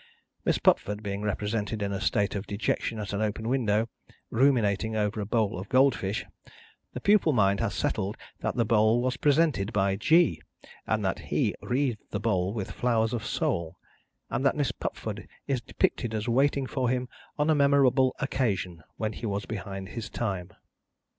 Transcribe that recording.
Miss Pupford being represented in a state of dejection at an open window, ruminating over a bowl of gold fish, the pupil mind has settled that the bowl was presented by G, and that he wreathed the bowl with flowers of soul, and that Miss Pupford is depicted as waiting for him on a memorable occasion when he was behind his time.